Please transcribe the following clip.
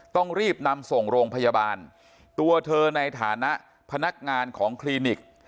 ต้องรีบนำส่งโรงพยาบาลตัวเธอในฐานะพนักงานของคลินิก